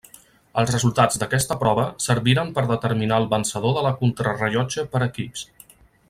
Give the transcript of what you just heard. Els resultats d'aquesta prova serviren per determinar el vencedor de la contrarellotge per equips.